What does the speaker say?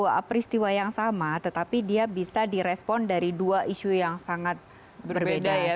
sebuah peristiwa yang sama tetapi dia bisa direspon dari dua isu yang sangat berbeda ya